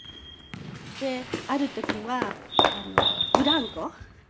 である時はブランコ。